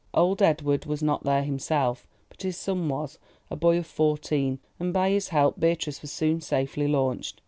Old Edward was not there himself, but his son was, a boy of fourteen, and by his help Beatrice was soon safely launched.